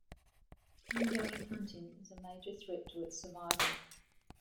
Ongoing hunting is a major threat to its survival.